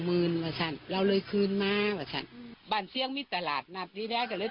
สมบัติหมีและเชื่อเอกก็เข้ายังมีงานมาที่กับสมบัติ